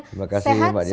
terima kasih mbak dina